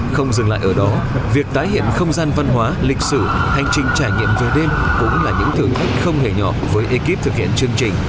không dừng lại ở đó việc tái hiện không gian văn hóa lịch sử hành trình trải nghiệm về đêm cũng là những thử thách không hề nhỏ với ekip thực hiện chương trình